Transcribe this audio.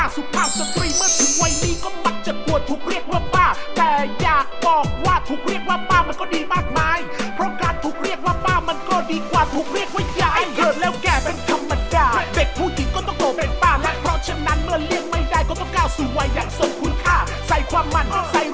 สวัสดีครับทุกคน